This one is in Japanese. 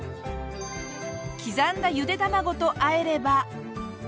刻んだゆで卵と和えれば。